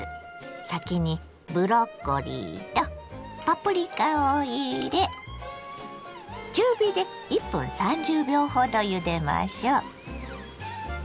先にブロッコリーとパプリカを入れ中火で１分３０秒ほどゆでましょ。